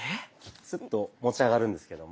スッと持ち上がるんですけども。